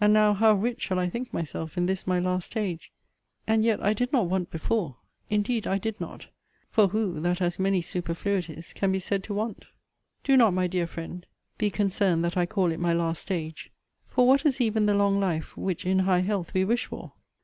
And now how rich shall I think myself in this my last stage! And yet I did not want before indeed I did not for who, that has many superfluities, can be said to want! Do not, my dear friend, be concerned that I call it my last stage; For what is even the long life which in high health we wish for?